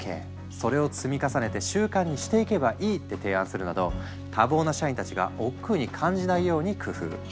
それを積み重ねて習慣にしていけばいい」って提案するなど多忙な社員たちがおっくうに感じないように工夫。